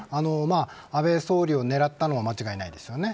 安倍総理を狙ったのは間違いないですよね。